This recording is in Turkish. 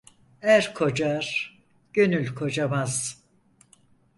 Er kocar, gönül kocamaz.